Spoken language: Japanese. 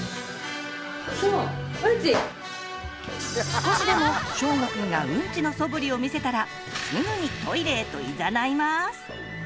少しでもしょうごくんがうんちのそぶりを見せたらすぐにトイレへといざないます。